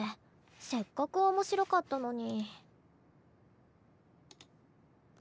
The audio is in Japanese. せっかく面白かったのに。